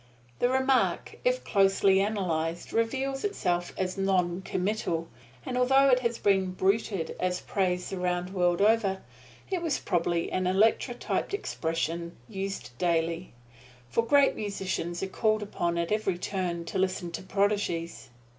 The remark, if closely analyzed, reveals itself as noncommittal; and although it has been bruited as praise the round world over, it was probably an electrotyped expression, used daily; for great musicians are called upon at every turn to listen to prodigies.